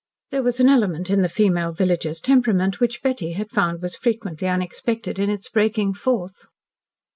There was an element in the female villagers' temperament which Betty had found was frequently unexpected in its breaking forth.